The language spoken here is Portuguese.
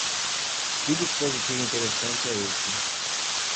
Que dispositivo interessante é esse.